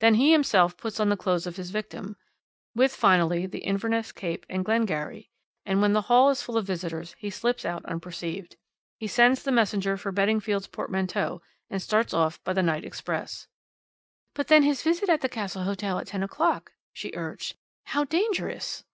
Then he himself puts on the clothes of his victim, with finally the Inverness cape and Glengarry, and when the hall is full of visitors he slips out unperceived. He sends the messenger for Beddingfield's portmanteau and starts off by the night express." "But then his visit at the Castle Hotel at ten o'clock " she urged. "How dangerous!"